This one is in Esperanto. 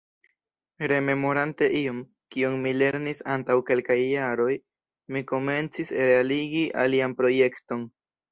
Rememorante ion, kion mi lernis antaŭ kelkaj jaroj, mi komencis realigi alian projekton.